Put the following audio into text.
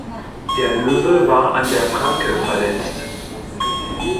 Der Löwe war an der Pranke verletzt.